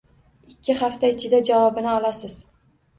Ikki hafta ichida javobini olasiz.